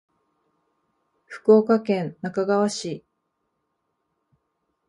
福岡県那珂川市